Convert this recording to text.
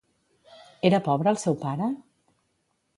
Era pobre el seu pare?